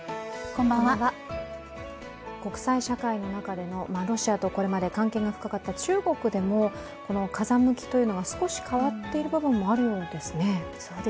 国際社会の中での、ロシアとこれまで関係が深かった中国でも風向きというのが少し変わっている部分があるようですね。